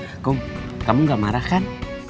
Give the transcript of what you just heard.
aku kamu gak marah kan